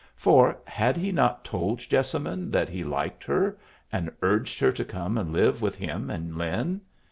For had he not told Jessamine that he liked her, and urged her to come and live with him and Lin?